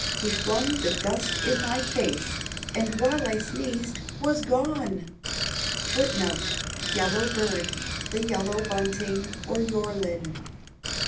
he flung the dust in my face, And, while I sneezed, Was gone! [Footnote 11: "Yellow bird," the yellow bunting, or yorlin.